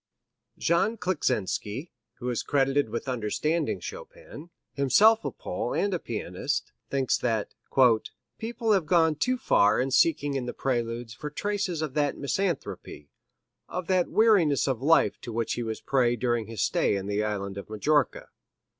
Jean Kleczynski, who is credited with understanding Chopin, himself a Pole and a pianist, thinks that "people have gone too far in seeking in the Preludes for traces of that misanthropy, of that weariness of life to which he was prey during his stay in the Island of Majorca...